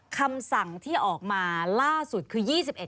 คำสั่งที่ออกมาล่าสุดคือ๒๑